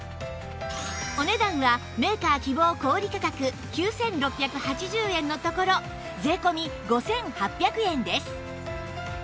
お値段はメーカー希望小売価格９６８０円のところ税込５８００円です